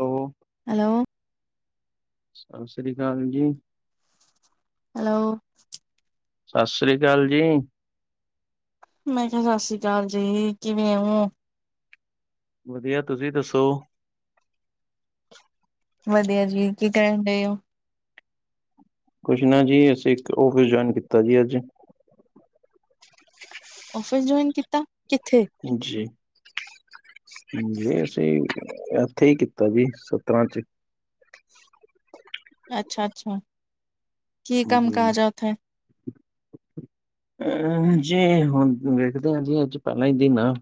ਔ ਹੈਲੋ। ਸਸ ਸ੍ਰੀ ਕਾਲ ਜੀ। ਹੈਲੋ। ਸਸ ਸ੍ਰੀ ਕਾਲ ਜੀ। ਮੈਂ ਕਿਆ ਸਸ ਸ੍ਰੀ ਅਕਾਲ ਜੀ। ਕਿਵੇਂ ਔ? ਵਧੀਆ। ਤੁਸੀਂ ਦੱਸੋ? ਵਧੀਆ ਜੀ। ਕੀ ਕੈਨ ਡੇ ਔ। ਕੁਛ ਨਾ ਜੀ ਅਸੀ ਇੱਕ ਆਫਿਸ ਜੁਆਇਨ ਕੀਤਾ ਜੀ ਅੱਜ। ਔਫਿਸ ਜੁਆਇਨ ਕੀਤਾ, ਕਿੱਥੇ? ਹੁਜੇ ਹੂ ਸੀ ਕਹਿ ਰਿਹਾ ਉੱਥੇ ਕੀਤਾ ਸਤਰਾਂ ਚ ਅੱਛਾ- ਅੱਛਾ। ਜੀ ਅਹ ਜੇ ਹੁਣ ਵੇਖਦੇ ਹੈ ਜੀ ਅੱਜ ਪਹਿਲਾਂ ਹੀ ਦਿਨ ਆ।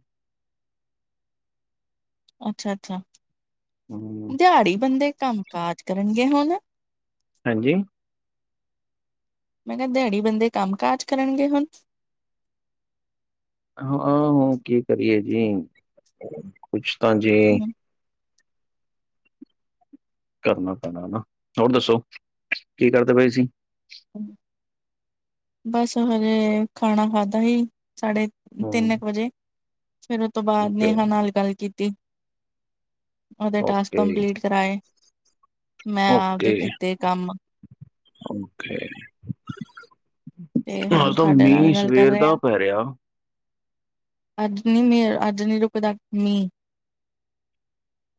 ਅੱਛਾ, ਅੱਛਾ ਹੂੰ। ਦਿਹਾੜੀ ਬੰਦੇ ਕੰਮ ਕਾਜ ਕਰਨਗੇ ਹੁਣ। ਹਾਂਜੀ। ਮੈਂ ਕਿਆ ਦਿਆੜੀ ਬੰਦੇ ਕੰਮ ਕਾਜ ਕਰਨਗੇ ਹੁਣ। ਹਾਂ, ਆਹੋ। ਕੀ ਕਰੀਏ ਜੀ, ਕੁਛ ਤਾਂ ਜੀ ਕਰਨਾ ਪੈਣਾ ਹਨਾ ਹੋਰ ਦੱਸੋ ਕੀ ਕਰਦੇ ਪਏ ਸੀ। ਬਸ ਹਜੇ ਖਾਣਾ ਖਾਧਾ ਸੀ ਸਾਢੇ ਤਿੰਨ ਹੂੰ, ਕੁ ਵਜੇ ਫਿਰ ਉਸ ਤੋਂ ਬਾਅਦ ਓਕੇ, ਨੇਹਾ ਨਾਲ ਗੱਲ ਕੀਤੀ। ਉਹਦੇ ਟਾਸਕ ਓਕੇ। ਕੰਪਲੀਟ ਕਰਵਾਏ ਮੈਂ ਆਪਦੇ ਓਕੇ, ਕੀਤੇ ਕੰਮ ਓਕੇ ਤੇ ਹੁਣ ਆਦਮ ਤੁਹਾਡੇ ਨਾਲ ਮੀਂਹ ਗੱਲ ਕਰ ਸਵੇਰ ਰਹੇ ਦਾ ਪੈ ਰਿਹਾ। ਅੱਜ ਨੀ ਮੇ ਅੱਜ ਨੀ ਰੁਕਦਾ ਮੀਂਹ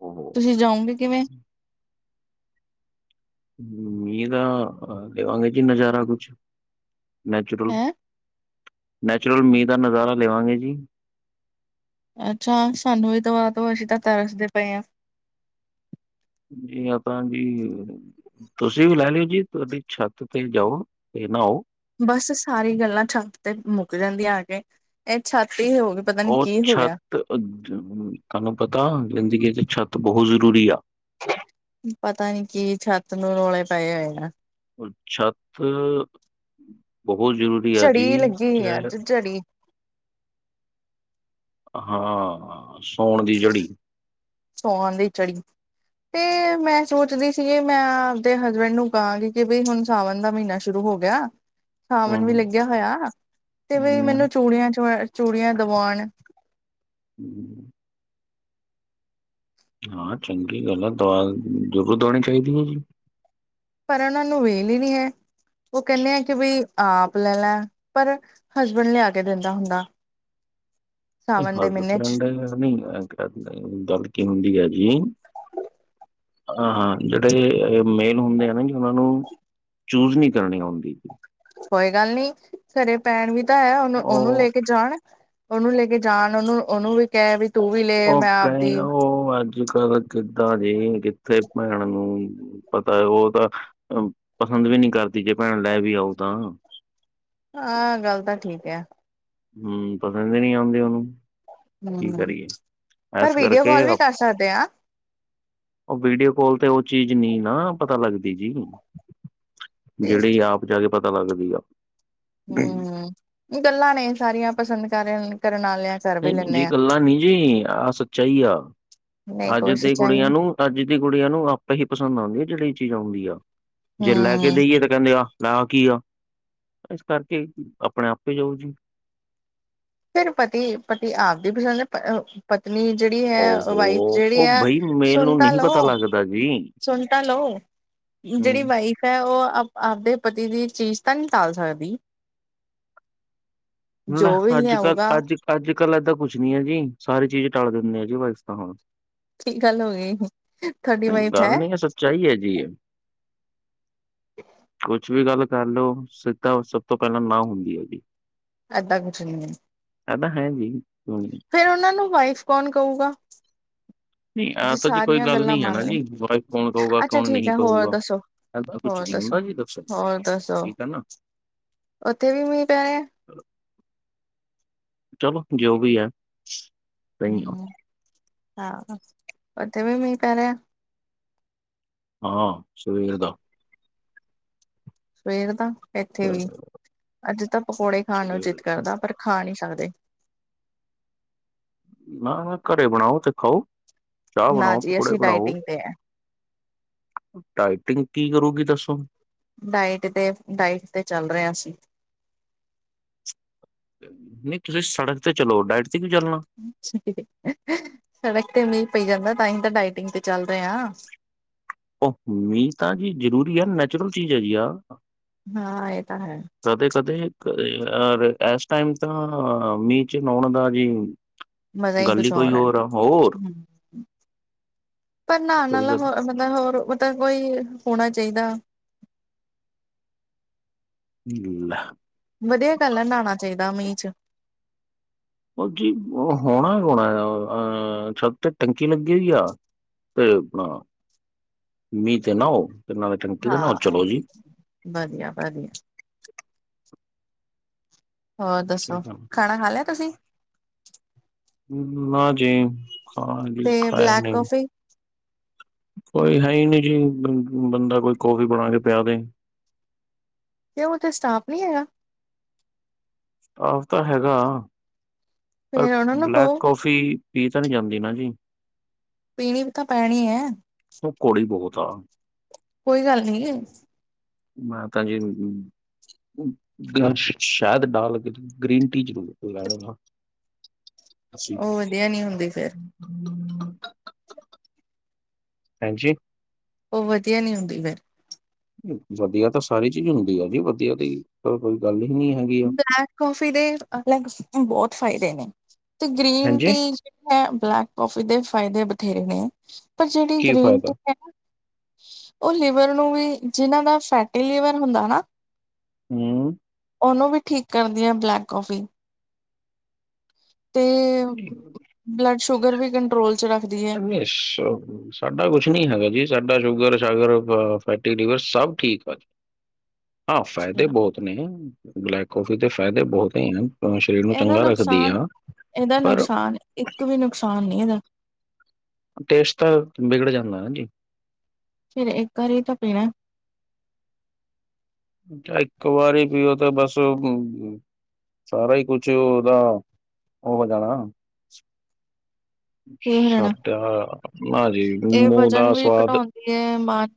ਹੂ,,, ਤੁਸੀਂ ਜਾਓਗੇ ਕਿਵੇਂ ਮੀਂਹ ਦਾ ਲਿਆਂਗੇ ਨਜ਼ਾਰਾ ਕੁਛ ਨੈਚੁਰਲ, ਹੈਂ ਨੈਚੁਰਲ ਮੀਂਹ ਦਾ ਨਜ਼ਾਰਾ ਲਵਾਂਗੇ ਜੀ ਅੱਛਾ, ਸਾਨੂੰ ਵੀ ਦਵਾ ਦੋ ਅਸੀਂ ਤਾਂ ਤਰਸਦੇ ਪਏ ਹਾਂ ਜੀ ਆਪਾਂ ਜੀ ਤੁਸੀਂ ਵੀ ਲੈ ਲਿਓ ਜੀ ਤੁਹਾਡੀ ਛੱਤ ਤੇ ਜਾਓ ਤੇ ਨਹਾਓ ਬਸ ਸਾਰੀ ਗੱਲਾਂ ਛੱਤ ਤੇ ਮੁੱਕ ਜਾਂਦੀਆਂ ਆ! ਕੇ ਇਹ ਛੱਤ ਹੀ ਹੋ! ਪਤਾ ਨੀ ਉਹ ਕੀ ਹੋ ਛੱਤ ਗਿਆ ਤੁਹਾਨੂੰ ਪਤਾ ਜ਼ਿੰਦਗੀ ਚ ਛੱਤ ਬਹੁਤ ਜ਼ਰੂਰੀ ਆ! ਪਤਾ ਨੀ ਕੀ ਛੱਤ ਨੂੰ ਰੌਲੇ ਪਏ ਹੋਏ ਆ! ਛੱਤ ਬਹੁਤ ਜ਼ਰੂਰੀ ਆ ਜੀ ਝੜੀ ਲੱਗੀ ਹੋਈ ਆ ਚ ਅੱਜ ਝੜੀ ਹਾਂ ਸੌਣ ਦੀ ਝੜੀ ਸੌਣ ਦੀ ਚੜੀ ਤੇ ਮੈਂ ਸੋਚਦੀ ਸੀਗੀ ਮੈਂ ਆਪਦੇ ਹਸਬੈਂਡ ਨੂੰ ਕਹਾਂਗੀ ਕਿ ਬਈ ਹੁਣ ਸਾਵਣ ਦਾ ਮਹੀਨਾ ਸ਼ੁਰੂ ਸ਼ੁਰੂ ਹੋ ਗਿਆ। ਸਾਵਣ ਵੀ ਹਮ ਲੱਗਿਆ ਹੋਇਆ ਤੇ ਵੀ ਹਮ ਮੈਨੂੰ ਚੂੜੀਆਂ ਚ, ਚੂੜੀਆਂ ਦਵਾਉਣ ਹੂ,,, ਹਾਂ ਚੰਗੀ ਗੱਲ ਆ! ਦਵਾ ਜ਼ਰੂਰ ਦਵਾਉਣੀ ਚਾਹੀਦੀ ਹੈ ਜੀ ਪਰ ਉਹਨਾਂ ਨੂੰ ਵੇਲ ਹੀ ਨਹੀਂ ਹੈ। ਉਹ ਕਹਿੰਦੇ ਆ ਕਿ ਬਈ ਆਪ ਲੈ ਪਰ ਹਸਬੈਂਡ ਲਿਆ ਕੇ ਦਿੰਦਾ ਹੁੰਦਾ। [inaudible] ਸਾਵਨ ਦੇ ਮਹੀਨੇ ਚ ਹਸਬੈਂਡ ਨਹੀਂ ਤੜਕੇ ਹੁੰਦੀ ਹੈ ਜੀ ਹਾਂ ਹਾਂ ਜਿਹੜੇ ਮੇਲ ਹੁੰਦੇ ਆ! ਨਾ ਜੀ ਉਹਨਾਂ ਨੂੰ ਚੂਜ ਨਹੀਂ ਕਰਨੀ ਆਉਂਦੀ! ਕੋਈ ਗੱਲ ਨੀ ਘਰੇ ਭੈਣ ਵੀ ਤਾਂ ਹੈ ਉਹ ਉਹਨੂੰ ਲੈ ਕੇ ਜਾਣ ਉਹਨੂੰ ਲੈ ਕੇ ਜਾਣ ਉਹਨੂੰ ਉਹਨੂੰ ਵੀ ਕਹਿ ਵੀ ਤੂੰ ਵੀ ਲੈ ਉਹ ਮੈਂ ਕਈ ਆਪਦੀ ਉਹ ਅੱਜ ਕੱਲ ਕਿੱਦਾਂ ਜੇ ਕਿੱਥੇ ਭੈਣ ਨੂੰ ਪਤਾ ਉਹ ਤਾਂ ਪਸੰਦ ਵੀ ਨਹੀਂ ਕਰਦੀ ਜੇ ਭੈਣ ਲੈ ਵੀ ਆਉ ਤਾਂ ਹਾਂ ਗੱਲ ਤਾਂ ਠੀਕ ਆ ਹੂ ਪਸੰਦ ਨਹੀਂ ਆਉਂਦੀ ਉਹਨੂੰ ਕੀ ਹਮ ਕਰੀਏ ਪਰ ਇਸ ਵੀਡੀਓ ਕਰਕੇ! ਕਾਲ ਆ ਵੀ ਕਰ ਸਕਦੇ ਹਾਂ ਉਹ ਵੀਡੀਓ ਕੋਲ ਤੇ ਉਹ ਚੀਜ਼ ਨਹੀਂ ਨਾ ਪਤਾ ਲੱਗਦੀ ਜੀ ਤੇ ਜਿਹੜੀ ਆਪ ਜਾ ਕੇ ਪਤਾ ਲੱਗਦੀ ਆ ਹੂ, ਗੱਲਾਂ ਨੇ ਸਾਰੀਆਂ ਪਸੰਦ ਕਰ ਕਰਨ ਵਾਲਿਆ ਨਹੀਂ -ਨਹੀਂ ਜੇ ਗੱਲਾਂ ਨੀ ਜੀ ਆਹ ਸੱਚਾਈ ਹੀ ਆ ਨਹੀਂ ਅੱਜ ਕੋਈ ਦੇ ਸੱਚਾਈ ਕੁੜੀਆਂ ਨੂੰ ਅੱਜ ਦੀ ਕੁੜੀਆਂ ਨੂੰ ਆਪੇ ਹੀ ਪਸੰਦ ਆਉਂਦੀ! ਆ ਜਿਹੜੀ ਇਹ ਚੀਜ਼ ਆਉਂਦੀ ਆ ਜੇ ਲੈ ਕੇ ਨਹੀਂ ਹਮ ਦੇਈਏ ਤਾਂ ਕਹਿੰਦੇ ਆ ਨਾਮ ਕੀ ਆ ਇਸ ਕਰਕੇ ਆਪਣੇ ਆਪੇ ਜੁੜ ਜੂ ਫਿਰ ਪਤੀ -ਪਤੀ ਆਪਦੀ ਪਸੰਦ ਹੈ ਪਤਨੀ ਜਿਹੜੀ ਹੈ ਵਾਈਫ ਓਹੋ ਜਿਹੜੀ ਉਹ ਹੈ ਬਈ ਮੇਲ ਸੁਣ ਨੂੰ ਤਾਂ ਨਹੀਂ ਲਓ, ਪਤਾ ਲੱਗਦਾ ਜੀ ਸੁਣ ਤਾਂ ਲਓ ਜਿਹੜੀ ਹੂੰ। ਵਾਈਫ ਫਿਰ ਉਹ ਆਪਦੇ ਪਤੀ ਦੀ ਚੀਜ਼ ਤਾਂ ਨਹੀਂ ਟਾਲ ਸਕਦੀ ਜੋ ਵੀ ਅੱਜ ਕੱਲ ਲਿਆਊਗਾ ਅੱਜ -ਅੱਜ ਕੱਲ ਏਦਾਂ ਕੁੱਛ ਹੈ ਜੀ, ਸਾਰੇ ਚੀਜ਼ ਟਾਲ ਦਿੰਦੇ ਆ ਜੀ ਵਾਪਸ ਤਾਂ ਹੁਣ ਕੀ ਗੱਲ ਹੋ ਗਈ ਤੁਹਾਡੀ ਵਾਈਫ ਗੱਲ ਨੀ ਹੈ ਸੱਚਾਈ ਹੈ ਜੀ, ਕੁਛ ਵੀ ਗੱਲ ਕਰ ਲਓ, ਸਿੱਧਾ ਸਭ ਤੋਂ ਪਹਿਲਾਂ ਨਾ ਹੁੰਦੀ ਹੈਗੀ ਜੀ ਏਦਾ ਕੁਛ ਨਹੀਂ ਐਦਾ ਹੈ ਨੀ ਸੁਣੀ ਫੇਰ ਉਹਨਾਂ ਨੂੰ ਵਾਈਫ ਕੌਣ ਕਹੂਗਾ ਨਹੀਂ ਐ ਜੀ ਤਾਂ ਕੋਈ ਸਾਰੀਆਂ ਗੱਲ ਗੱਲਾਂ ਨਹੀਂ ਹੈ ਮੰਨ ਨਾ ਲਈ, ਜੀ ਵਾਈਫ ਕੌਣ ਕਹੂਗਾ ਅੱਛਾ ਕੌਣ ਠੀਕ ਨਹੀਂ ਹੈ ਹੋਰ ਕਹੂਗਾ ਦੱਸੋ ਐਦਾਂ ਕੁਛ ਹੋਰ ਨਹੀਂ ਦੱਸੋ, ਹੁੰਦਾ ਜੀ ਹੋਰ ਦੱਸੋ ਠੀਕ ਹੈ ਨਾ ਉੱਥੇ ਵੀ ਮੀਂਹ ਪੈ ਰਹੇ ਆ ਚਲੋ ਜੋ ਵੀ ਹੈ ਸਹੀ ਆ ਹ ਹਹ ਓਥੇ ਵੀ ਮੀਂਹ ਪੈ ਰਿਹਾ। ਹਾਂ, ਸਵੇਰ ਦਾ। ਸਵੇਰ ਦਾ, ਇੱਥੇ ਅ, ਵੀ, ਅੱਜ ਤਾਂ ਪਕੌੜੇ ਖਾਣ ਨੂੰ ਸਵੇਰ ਚਿੱਤ ਕਰਦਾ ਪਰ ਖਾ ਨੀ ਸਕਦੇ। ਨਾ- ਨਾ ਘਰੇ ਬਣਾਓ ਤੇ ਖਾਓ, ਚਾਹ ਨਾ ਬਣਾਓ, ਜੀ ਪਕੌੜੇ ਅਸੀਂ ਬਣਾਓ। ਡਾਇਟਿੰਗ ਤੇ ਹੈ ਡਾਈਟਿੰਗ ਕੀ ਕਰੂਗੀ ਦੱਸੋ? ਡਾਇਟ ਤੇ, ਡਾਇਟ ਤੇ ਚੱਲ ਰਿਹਾ ਸੀ। ਨਹੀਂ ਤੁਸੀਂ ਸੜਕ ਤੇ ਚਲੋ ਡਾਇਟ ਤੇ ਕਿਉ ਚੱਲਣਾ। ਸ ਸੜਕ ਤੇ ਨਹੀ ਪਈ ਜਾਂਦਾ ਤਾਂਹੀ ਤਾਂ ਡਾਇਟਿੰਗ ਤੇ ਚੱਲ ਰਹੇ ਹਾਂ। ਉਹ ਮੀਂਹ ਤਾਂ ਜੀ ਜ਼ਰੂਰੀ ਐ, ਨੈਚੂਰਲ ਚੀਜ਼ ਆ ਜੀ ਆ। ਹਾਂ ਇਹ ਤਾਂ ਹੈ। ਕਦੇ-ਕਦੇ ਅ ਏਸ ਟਾਈਮ ਤਾਂ, ਮੀਂਹ ਚ ਨਾਉਣ ਦਾ ਵੀ। ਮਜ਼ਾ ਈ ਕੁਛ ਔਰ ਹੈ। ਪਰ ਨਹਾਉਣ ਕਦੇ ਨਾਲਾ ਕਦੇ ਹੋ ਮਤਲਬ ਹੋਰ ਮਤਲਬ ਕੋਈ ਹੋਣਾ ਚਾਹੀਦਾ। [unintelligible] [unintelligible] ਵਧੀਆ ਗੱਲ ਐ ਨਹਾਉਣਾ ਚਾਹੀਦਾ ਮੀਂਹ 'ਚ। ਉਹ ਜੀ ਹੋਣਾ -ਹੋਣਾ ਅ ਛੱਤ 'ਤੇ ਟੰਕੀ ਲੱਗੀ ਹੋਈ ਆ। ਤੇ ਆਪਣਾ ਮੀਂਹ 'ਚ ਨਹਾਓ। ਹਾਂ, ਵਧੀਆ-ਵਧੀਆ। ਹੋਰ ਦੱਸੋ, ਠੀਕ ਆ ਨਾ ਖਾਣਾ ਖਾ ਲਿਆ ਤੁਸੀਂ? ਨਾ ਜੀ, ਖਾਣਾ ਨੀ ਤੇ ਖਾਇਆ ਬਲੈਕ ਨਹੀਂ। ਕੌਫੀ ਕੋਈ ਹੈ ਈ ਨਈਂ ਜੀ, ਬੰਦਾ ਕੋਈ ਕੌਫੀ ਬਣਾ ਕੇ ਪਿਆ ਦੇ। ਕਿਉ ਉੱਥੇ ਸਟਾਫ਼ ਨੀ ਹੈਗਾ? ਸਟਾਫ ਤਾਂ ਹੈਗਾ ਪਰ ਫੇਰ ਉਹਨਾਂ ਨੂੰ ਕਹੋ ਬਲੈਕ-ਕੌਫੀ ਪੀ ਤਾਂ ਨੀ ਜਾਂਦੀ ਨਾ ਜੀ। ਪੀਣੀ ਵੀ ਤਾਂ ਪੈਣੀ ਐਂ। ਉਹ ਕੌੜੀ ਬਹੁਤ ਆ। ਕੋਈ ਗੱਲ ਨੀ। ਮੈਂ ਤਾਂ ਜੀ ਸ਼ ਸ਼ਾਇਦ ਡਾਲ ਕੇ ਗ੍ਰੀਨ ਟੀ ਲੈਣਾ [unintelligible] ਅਸੀਂ ਉਹ ਵਧੀਆ ਨੀ ਹੁੰਦੀ ਫਿਰ। ਹਾਂਜੀ! ਉਹ ਵਧੀਆ ਨੀ ਹੁੰਦੀ ਫਿਰ। ਵਧੀਆ ਤਾਂ ਸਾਰੀ ਚੀਜ਼ ਹੁੰਦੀ ਐ ਜੀ ਵਧੀਆ ਦੀ ਤਾਂ ਕੋਈ ਗੱਲ ਹੀ ਨੀ ਹੈਂਗੀ। ਬਲੈਕ ਕੌਫੀ ਦੇ ਅਲਗ ਬਹੁਤ ਫਾ਼ਇਦੇ ਨੇ ਤੇ ਗ੍ਰੀਨ ਟੀ ਹਾਂਜੀ ਇਥੇ ਬਲੈ਼ਕ ਕੌਫੀ ਦੇ ਫਾ਼ਇਦੇ ਬਥੇਰੇ ਨੇ ਪਰ ਜਿਹੜੀ ਕੀ ਗ੍ਰੀਨ ਫਾਇਦਾ ਟੀ ਉਹ ਲੀਵਰ ਨੂੰ ਵੀ, ਜਿਹਨਾਂ ਦਾ ਫੈਟੀ ਲੀਵਰ ਹੁੰਦਾ ਨਾ ਹਮ। ਉਹਨੂੰ ਵੀ ਠੀਕ ਕਰਦੀ ਆ ਬਲੈ਼ਕ ਕੌਫੀ। ਤੇ ਹਠ [unintelligible] ਬਲੱਡ ਸ਼ੂਗਰ ਵੀ ਕੰਟਰੋਲ 'ਚ ਰੱਖਦੀ ਹੈ। ਅੱਛਾ ਸਾਡਾ ਕੁਛ ਨੀ ਹੈਗਾ ਜੀ ਸਾਡਾ ਸ਼ੂਗਰ ਸ਼ਾਗਰ ਬ ਫੈਟੀ ਲੀਵਰ ਸਭ ਠੀਕ ਆ ਜੀ। ਹਾਂ ਫ਼ਾਇਦੇ ਬਹੁਤ ਨੇ ਬਲੈਕ ਕੌਫੀ ਦੇ ਫ਼ਾਇਦੇ ਬਹੁਤ ਨੇ। ਸ਼ਰੀਰ ਨੂੰ ਇਹਦਾ ਚੰਗਾ ਰੱਖਦੀ ਨੁਕਸਾਨ ਆ ਇਹਦਾ ਪਰ ਨੁਕਸਾਨ ਇੱਕ ਵੀ ਨੁਕਸਾਨ ਨੀ ਇਹਦਾ। ਟੇਸਟ ਵਿਗੜ ਜਾਂਦਾ ਨਾ ਜੀ। ਫੇਰ ਇੱਕ ਵਾਰੀ ਤਾਂ ਪੀਣਾ। ਇੱਕ ਵਾਰੀ ਪੀਓ ਤੇ ਬਸ ਮ ਸਾਰਾ ਈ ਕੁਛ ਉਹਦਾ ਉਹ ਹੋ ਜਾਣਾ। ਪੀ ਲੈਣਾ। ਸਾਡਾ ਨਾਜੀ ਇਹ ਮੂੰਹ ਦਾ ਵਜ਼ਨ ਵੀ ਸਵਾਦ ਘਟਾਉਂਦੀ ਹੈ ਮਾਨ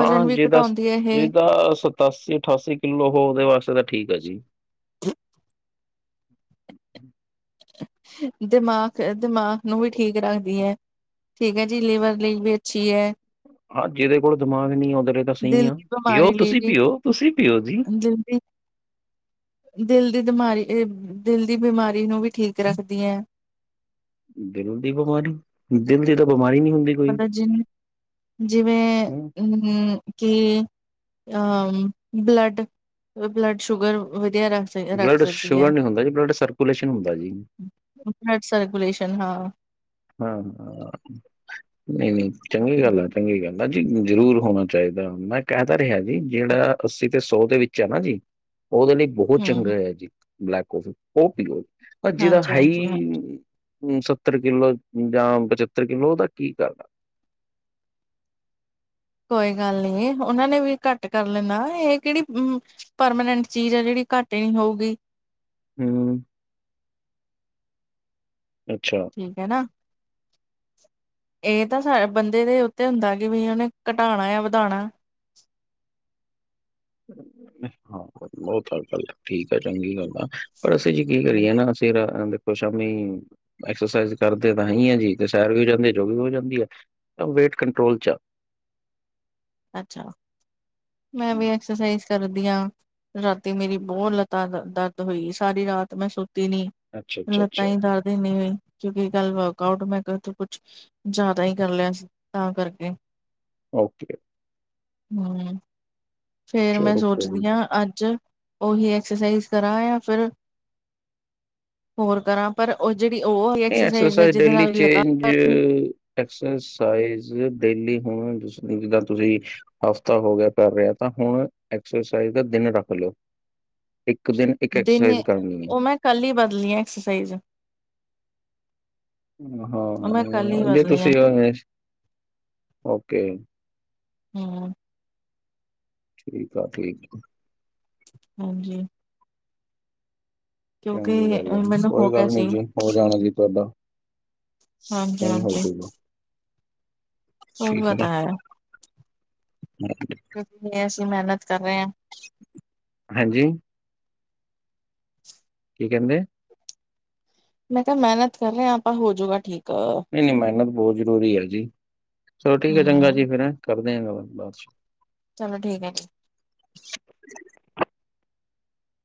ਹਾਂ ਵੀ ਜੇਹਦਾ ਘਟਾਉਂਦੀ ਹੈ ਇਹ ਜਿਹਦਾ ਸਤ ਸਤਾਸੀ-ਅਠਾਸੀ ਕਿੱਲੋ ਹੋ ਓਹਦੇ ਵਾਸਤੇ ਤੇ ਠੀਕ ਹੈ ਜੀ। ਦਿਮਾਗ ਦਿਮਾਗ ਨੂੰ ਵੀ ਠੀਕ ਰੱਖਦੀ ਐ। ਠੀਕ ਹੈ ਜੀ, ਲੀਵਰ ਲਈ ਵੀ ਅੱਛੀ ਐ। ਹਾਂ, ਜਿਦੇ ਕੋਲ ਦਿਮਾਗ ਨਹੀਂ ਉਦੇ ਲਈ ਤਾਂ ਸਹੀ ਦਿਲ ਆ। ਦੀ ਪੀਓ ਤੁਸੀਂ ਪੀਓ ਤੁਸੀਂ ਪੀਓ ਜੀ। ਜਿਲਦੀ [unintelligible] ਦਿਲ ਦੀ ਦਿਮਾਰੀ ਏ ਦਿਲ ਦੀ ਬਿਮਾਰੀ ਨੂੰ ਵੀ ਠੀਕ ਰੱਖਦੀ ਐ। ਦਿਲ ਦੀ ਬਿਮਾਰੀ ਦਿਲ ਦੀ ਤਾਂ ਬਿਮਾਰੀ ਨੀ ਹੁੰਦੀ। ਕੋਈ ਮਤਲਬ ਜਿਵ ਜਿਵੇਂ ਹੂੰ ਉਹੂੰ। ਕਿ ਅ ਬਲੱਡ ਬਲੱਡ ਸ਼ੂਗਰ ਵਧੀਆ ਰਾ ਬਲੱਡ ਸ਼ੂਗਰ ਨੀ ਹੁੰਦਾ ਜੀ ਬਲੱਡ ਸਰਕੂਲੇਸ਼ਨ ਹੁੰਦਾ ਜੀ। ਬਲਡ ਸਰਕੂਲੇਸ਼ਨ ਹਾਂ। ਹਾਂ ਹਾਂ। ਨਹੀਂ ਨਹੀਂ ਚੰਗੀ ਗੱਲ ਆ ਚੰਗੀ ਗੱਲ ਆ ਜੀ ਜ਼ਰੂਰ ਹੋਣਾ ਚਾਈਦਾ ਮੈਂ ਕਹਿ ਤਾ ਰਿਹਾ ਜੀ ਜੇੜਾ ਅੱਸੀ ਤੇ ਸੌ ਦੇ ਵਿੱਚ ਐ ਨਾ ਜੀ ਓਦੇ ਲਈ ਬਹੌਤ ਚੰਗਾ ਹਮ ਹੈ ਜੀ ਬਲੈਕ ਕੋਫੀ ਓਹ ਪੀਓ ਅ ਜਿਦਾ ਹਾਂਜੀ ਹਾਂਜੀ ਹੈਈ ਹਾਂ ਉਂ ਸੱਤਰ ਕਿੱਲੋ ਜਾਂ ਪਚੱਤਰ ਕਿੱਲੋ ਓਦਾ ਕੀ ਕਰ ਆ। ਕੋਈ ਗੱਲ ਨੀ ਏ ਓਹਨਾਂ ਨੇ ਵੀ ਘੱਟ ਕਰ ਲੈਣਾ ਏਹ ਕੇੜੀ ਉੰ ਪਰਮਾਨੈਂਟ ਚੀਜ਼ ਹੈ ਜੇੜੀ ਘੱਟ ਹੀ ਨੀ ਹੋਊਗੀ। ਹੂੰ। ਅੱਛਾ। ਠੀਕ ਹੈ ਨਾ। ਏਹ ਤਾਂ ਸਾਡ ਬੰਦੇ ਦੇ ਉੱਤੇ ਹੁੰਦੈ ਕਿ ਬਈ ਓਹਨੇ ਘਟਾਣਾ ਯਾ ਵਧਾਣਾ। ਹਾਂ, ਬੌਤ ਆਗੱਲ ਠੀਕ ਐ, ਚੰਗੀ ਗੱਲ ਆ, ਪਰ ਅਸੀਂ ਜੀ ਕੀ ਕਰੀਏ ਨਾ ਫਿਰ ਐ ਦੇਖੋ ਸਾ਼ਮੀ ਐਕਸਰਸਾਈਜ਼ ਕਰਦੇ ਤਾਂ ਹੈ ਈ ਆ ਜੀ ਤੇ ਸੈਰ ਜਾੰਦੇ ਜੋਗਿਗ ਹੋ ਜਾਂਦੀ ਆ, ਤਾ ਵੇਟ ਕੰਟਰੋਲ ਚ ਆ। ਅੱਛਾ, ਮੈਂ ਵੀ ਐਕਸਰਸਾਈਜ਼ ਕਰਦੀ ਆਂ। ਰਾਤੀ ਮੇਰੀ ਬੌਤ ਲਤਾ ਦਰਦ ਹੋਈ ਸਾਰੀ ਰਾਤ ਮੈਂ ਸੁੱਤੀ ਨੀ। ਅੱਛਾ ਅੱਛਾ ਲੱਤਾਂ ਅੱਛਾ ਹੀ ਦਰਦ ਇਨੀ ਹੋਈ ਕਿਉਂਕਿ ਕਲ ਵਰਕ ਆਊਟ ਮੈਂ ਕ ਤੇ ਕੁਛ ਜਾਦਾ ਹੀ ਕਰ ਲਿਆ ਸੀ ਤਾਂ ਕਰਕੇ। ਓਕੇ। ਹੂੰ, ਫੇਰ ਮੈਂ ਚਲੋ ਕੋਈ ਸੋਚਦੀ ਆਂ ਅੱਜ ਓਹੀ ਐਕਸਰਸਾਈਜ਼ ਕਰਾਂ ਯਾ ਫਿਰ ਹੋਰ ਕਰਾਂ। ਪਰ ਔ ਜੇੜੀ ਓਹ ਆਲੀ ਐਕਸਰਸਾਈਜ਼ ਹੈ ਜਿਦੇ ਨਾਲ ਲ ਆ ਯ ਐਕਸਰਸਾਈਜ਼ ਡੇਲੀ ਹੁਣ ਜਿੱਸਨੀ ਵੀ ਗੱਲ ਤੁਸੀਂ ਹਫ਼ਤਾ ਹੋ ਗਿਆ ਕਰ ਰਿਐ ਤਾਂ ਹੁਣ ਐਕਸਰਸਾਈਜ਼ ਦਾ ਦਿਨ ਰੱਖ ਲੋ। ਇੱਕ ਦਿਨ ਇੱਕ ਦਿਨ ਐਕਸਰਸਾਈਜ਼ ਕਰਨੀ ਏ। ਉਹ ਮੈਂ ਕੱਲ ਹੀ ਬਦਲੀ ਐ ਐਕਸਰਸਾਈਜ਼। ਹਾਂ ਉਹ ਮੈਂ ਕੱਲ ਹੀ ਹਾਂ, ਜੇ ਬਦਲੀ ਆ। ਤੁਸੀਂ ਅਵੇਂ ਓਕੇ। ਹੂੰ। ਠੀਕ ਆ ਠੀਕ। ਹਾਂਜੀ। ਕਿਉਂਕਿ ਚੰਗੀ ਗੱਲ ਅ ਆ ਮੈਨੂੰ ਹੋ ਕੋਈ ਗਿਆ ਗੱਲ ਨੀ ਸੀ ਜੀ ਹੋ ਜਾਣਾ ਜੀ ਤੁਹਾਡਾ। ਕਈ ਹੋ ਹਾਂਜੀ-ਹਾਂਜੀ ਜੁਗਾ। ਹੋਰ ਬਤਾ ਯਾ ਕੁਛ ਨੀ ਐਸੀਂ ਮੈਹਨਤ ਕਰ ਰੇ ਹੈ। ਹਾਂਜੀ। ਕੀ ਕੈੰਦੇ? ਮੈਂ ਕਿਆ ਮੈਹਨਤ ਕਰ ਰੇ ਆ ਆਪਾਂ ਹੋਜੂਗਾ ਠੀਕ। ਨਹੀਂ ਨਹੀਂ ਮੈਹਨਤ ਬੌਤ ਜ਼ਰੂਰੀ ਹੈ ਜੀ। ਚਲੋ ਠੀਕ ਹੈ, ਚੰਗਾ ਹੂੰ ਜੀ ਫਿਰ ਹੈਂ ਕਰਦੇ ਆ ਗ ਬਾਦ ਚ। ਚਲੋ ਠੀਕ ਹੈ ਜੀ।